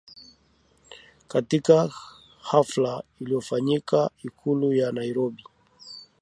katika hafla iliyofanyika Ikulu ya Nairobi